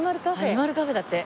アニマルカフェだって。